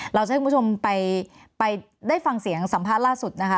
เราจะให้คุณผู้ชมไปได้ฟังเสียงสัมภาษณ์ล่าสุดนะคะ